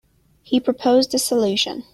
He proposed a solution.